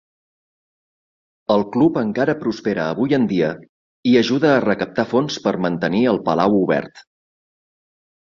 El club encara prospera avui en dia i ajuda a recaptar fons per mantenir el palau obert.